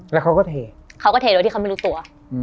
แล้วเขาก็เทเขาก็เทโดยที่เขาไม่รู้ตัว